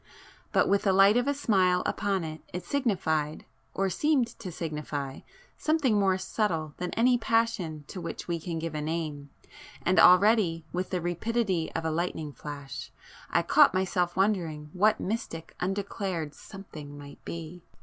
But with the light of a smile upon it, it signified, or seemed to signify, something more subtle than any passion to which we can give a name, and already with the rapidity of a lightning flash, I caught myself wondering what that mystic undeclared something might be.